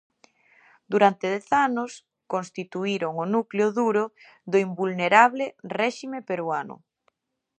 Durante dez anos constituíron o núcleo duro do invulnerable réxime peruano.